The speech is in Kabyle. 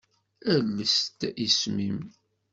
Ales-d isem-im.